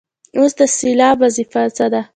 اوس د سېلاب وظیفه څه ده.